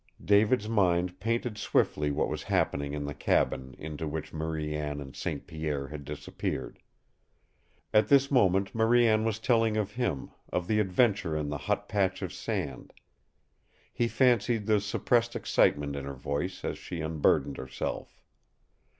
David's mind painted swiftly what was happening in the cabin into which Marie Anne and St. Pierre had disappeared. At this moment Marie Anne was telling of him, of the adventure in the hot patch of sand. He fancied the suppressed excitement in her voice as she unburdened herself.